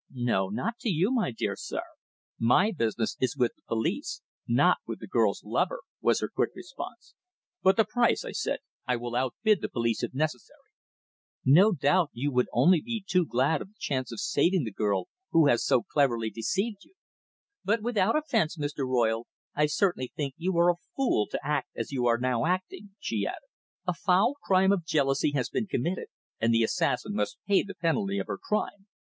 "No, not to you, my dear sir. My business is with the police, not with the girl's lover," was her quick response. "But the price," I said. "I will outbid the police if necessary." "No doubt you would be only too glad of the chance of saving the girl who has so cleverly deceived you. But, without offence, Mr. Royle, I certainly think you are a fool to act as you are now acting," she added. "A foul crime of jealousy has been committed, and the assassin must pay the penalty of her crime."